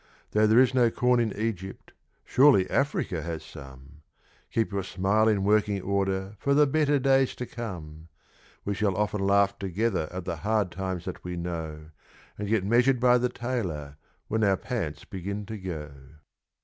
Though there is no corn in Egypt, surely Africa has some Keep your smile in working order for the better days to come ! We shall often laugh together at the hard times that we know, And get measured by the tailor when our pants begin to go.